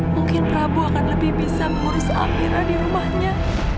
mungkin rabu akan lebih bisa mengurus amirah di rumahnya